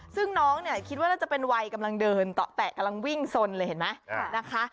ซึ่งน้องเนี่ยคิดว่าน่าจะเป็นวัยกำลังเดินต่อแตะกำลังวิ่งสนเลยเห็นไหมนะคะ